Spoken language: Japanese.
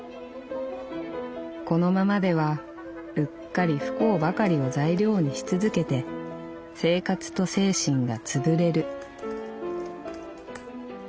このままではうっかり不幸ばかりを材料にしつづけて生活と精神がつぶれる」。